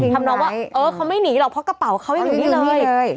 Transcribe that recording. ทำนองว่าเออเขาไม่หนีหรอกเพราะกระเป๋าเขายังอยู่นี่เลย